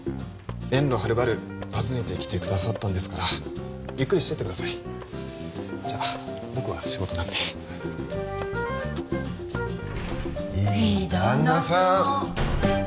遠路はるばる訪ねてきてくださったんですからゆっくりしてってくださいじゃあ僕は仕事なんでいい旦那さん